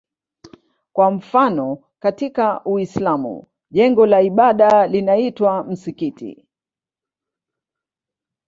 Kwa mfano katika Uislamu jengo la ibada linaitwa msikiti.